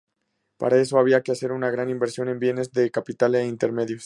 Para eso había que hacer una gran inversión en bienes de capital e intermedios.